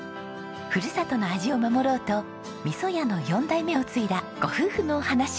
ふるさとの味を守ろうと味噌屋の４代目を継いだご夫婦のお話。